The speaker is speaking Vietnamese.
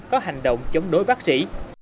có hành động chống đối bác sĩ